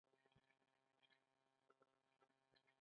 ایا زه باید سړه ډوډۍ وخورم؟